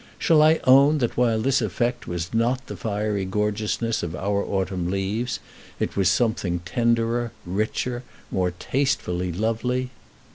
Shall I own that while this effect was not the fiery gorgeousness of our autumn leaves, it was something tenderer, richer, more tastefully lovely?